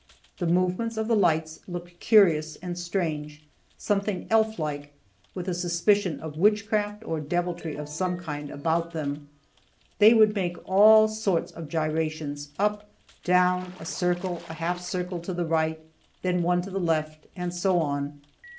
The movements of the lights looked curious and strange, something elf like, with a suspicion of witchcraft, or deviltry of some kind, about them. They would make all sorts of gyrations, up, down, a circle, a half circle to the right, then one to the left, and so on.